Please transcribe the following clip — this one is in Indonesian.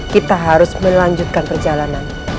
kita harus melanjutkan perjalanan